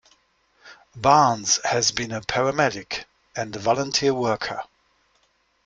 Barnes has been a paramedic, and a volunteer worker.